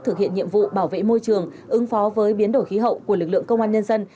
thực hiện nhiệm vụ bảo vệ môi trường ứng phó với biến đổi khí hậu của lực lượng công an nhân dân